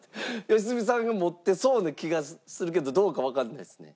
良純さんが持ってそうな気がするけどどうかわかんないですね。